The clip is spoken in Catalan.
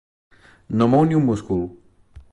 No mou ni un múscul.